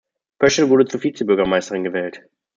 Pöschl wurde zur Vizebürgermeisterin gewählt.